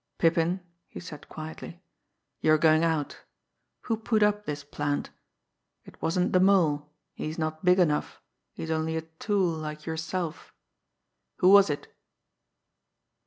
"Pippin," he said quietly, "you're going out. Who put up this plant? It wasn't the Mole, he's not big enough, he's only a tool like yourself. Who was it?"